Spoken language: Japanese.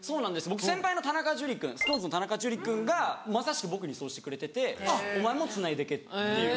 僕先輩のＳｉｘＴＯＮＥＳの田中樹君がまさしく僕にそうしてくれててお前もつないでけっていう。